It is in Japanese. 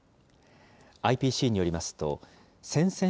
ＩＰＣによりますと、せんせん